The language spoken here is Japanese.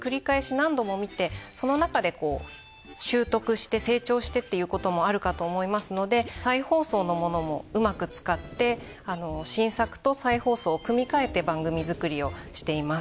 何度も見てそのなかで習得して成長してっていうこともあるかと思いますので再放送のものもうまく使って新作と再放送を組み替えて番組作りをしています。